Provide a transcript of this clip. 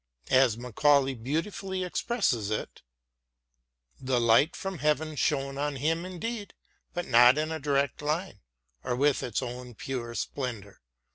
As Macaulay beautifully expresses it : The light from heaven shone on him indeed, but not in a direct line, or with its own pure splendour.